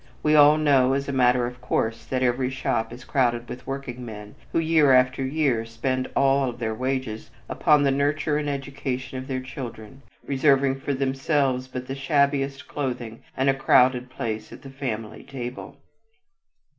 We all know as a matter of course that every shop is crowded with workingmen who year after year spend all of their wages upon the nurture and education of their children, reserving for themselves but the shabbiest clothing and a crowded place at the family table.